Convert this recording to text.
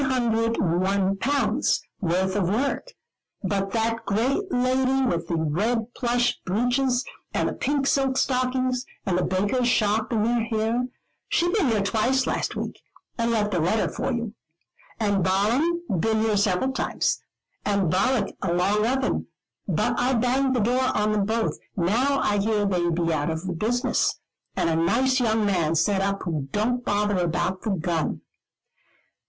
* worth of work; but that great lady with the red plush breeches, and the pink silk stockings, and the baker's shop in their hair, she been here twice last week, and left a letter for you. And Balaam been here several times, and Balak along of him; but I banged the door on them both, now I hear they be out of the business, and a nice young man set up who don't bother about the gun."